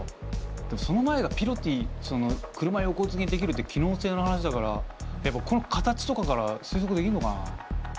でもその前がピロティ車横付けにできるって機能性の話だからやっぱこの形とかから推測できんのかな？